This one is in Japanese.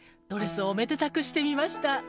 ドレスおめでたくしてみました。